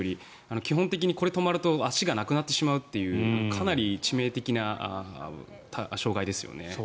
基本的にこれが止まると足がなくなってしまうというかなり致命的な障害ですよね。